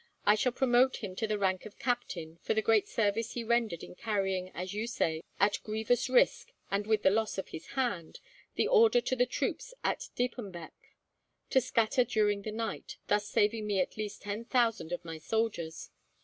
I shall promote him to the rank of captain, for the great service he rendered in carrying, as you say, at grievous risk and with the loss of his hand, the order to the troops at Diepenbeck to scatter during the night, thus saving me at least ten thousand of my soldiers.